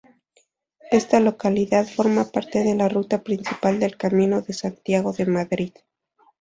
Esta localidad forma parte de la ruta principal del Camino de Santiago de Madrid.